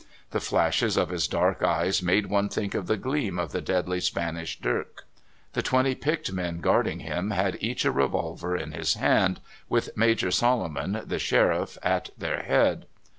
The flashes of his dark eyes made one think of the gleam of the deadly Spanish dirk. The twenty picked men guarding him had each a revolver in his hand, with Maj. Solomon, the sheriff, at their head.